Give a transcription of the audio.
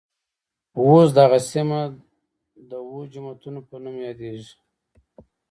اوس دغه سیمه د اوه جوماتونوپه نوم يادېږي.